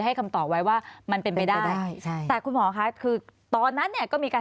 ให้คำตอบไว้ว่ามันเป็นไปได้คุณมอค่ะตอนนั้นเนี่ยก็มีการ